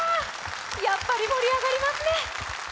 やっぱり盛り上がりますね。